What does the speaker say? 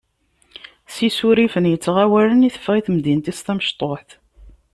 S yisurrifen yettɣawalen i teffeɣ i temdint-is tamecṭuḥt.